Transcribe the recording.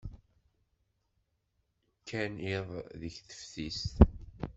Kkan iḍ deg teftist.